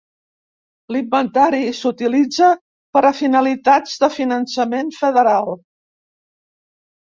L'inventari s'utilitza per a finalitats de finançament federal.